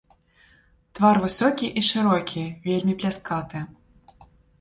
Твар высокі і шырокі, вельмі пляскаты.